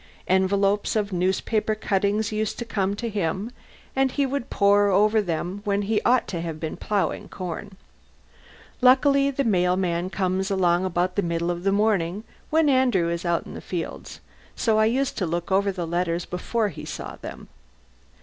Envelopes of newspaper cuttings used to come to him, and he would pore over them when he ought to have been ploughing corn. Luckily the mail man comes along about the middle of the morning when Andrew is out in the fields, so I used to look over the letters before he saw them.